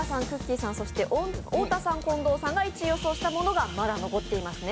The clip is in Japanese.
さん、そして太田さん、近藤さんが１位予想したものがまだ残ってますね。